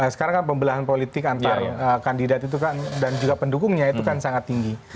sekarang kan pembelahan politik antar kandidat itu kan dan juga pendukungnya itu kan sangat tinggi